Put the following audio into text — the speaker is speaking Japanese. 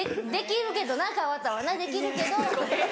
できるけどな川田はなできるけど。